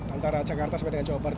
antara jakarta dan jawa barat